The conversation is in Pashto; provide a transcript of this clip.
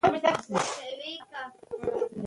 سنگ مرمر د افغان کلتور په داستانونو کې راځي.